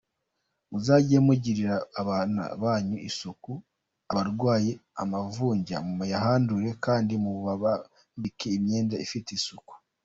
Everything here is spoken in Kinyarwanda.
Muzajye mugirira abana banyu isuku, abarwaye amavunja muyahandure, kandi mubambike n’imyenda ifite isuku.